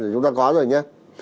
chúng ta có rồi nha